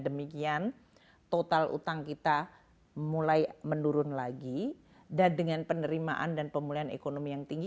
demikian total utang kita mulai menurun lagi dan dengan penerimaan dan pemulihan ekonomi yang tinggi